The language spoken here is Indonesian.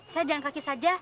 saya jalan kaki saja